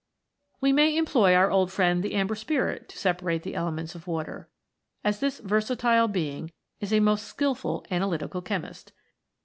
We may employ our old friend the Amber Spirit to separate the elements of Water, as this versatile being is a most skilful analytical chemist.